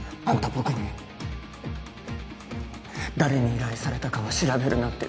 僕に誰に依頼されたかは調べるなって言ったよな？